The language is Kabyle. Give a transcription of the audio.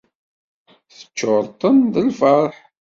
Teččureḍ-ten d lfeṛḥ.